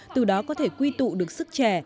từ đó có thể quy tụ được sức trẻ